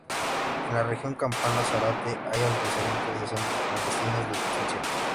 En la región Campana-Zárate hay antecedentes de centros clandestinos de detención.